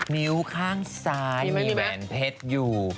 นิ้วข้างซ้ายมีแหวนเพชรอยู่